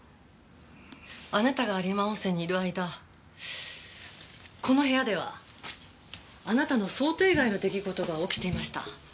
あなたが有馬温泉にいる間この部屋ではあなたの想定外の出来事が起きていました。